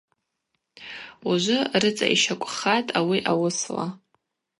Ужвы рыцӏа йщаквкӏхатӏ ауи ауысла.